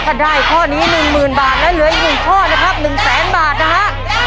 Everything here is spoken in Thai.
ถ้าได้ข้อนี้๑๐๐๐บาทและเหลืออีก๑ข้อนะครับ๑แสนบาทนะฮะ